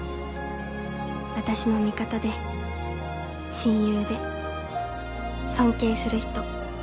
私の味方で親友で尊敬する人。